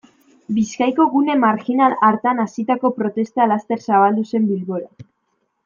Bizkaiko gune marjinal hartan hasitako protesta laster zabaldu zen Bilbora.